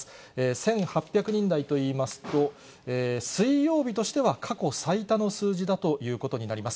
１８００人台といいますと、水曜日としては過去最多の数字だということになります。